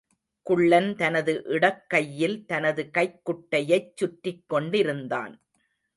குள்ளன் தனது இடக்கையில் தனது கைக்குட்டையைச் சுற்றிக்கொண்டிருந்தான்.